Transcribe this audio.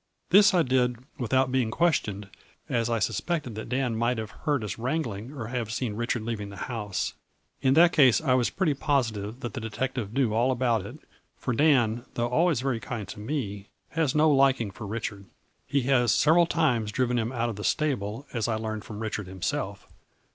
This I did without being questioned, as I suspected that Dan might have heard us wrangling or have seen Richard leaving the house. In that case I was pretty positive that the detective knew all about it, for Dan, though always very kind to me, has no liking for Richard. He has several times driven him out of the stable, as I learned from Richard himself.